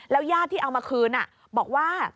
แล้วยาดที่เอามาคืนน่ะบอกว่า